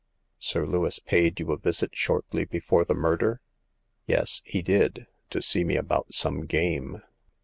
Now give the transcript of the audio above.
" Sir Lewis paid you a visit shortly before the murder ?*'" Yes, he did ; to see me about some game."